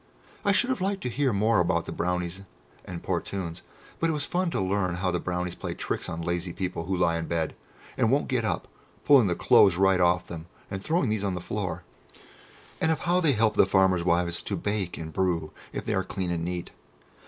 I should have liked to hear more about the Brownies and Portunes, but it was fun to learn how the Brownies play tricks on lazy people who lie in bed and won't get up, pulling the clothes right off them, and throwing these on the floor, and of how they help the farmers' wives to bake and brew if they are clean and neat.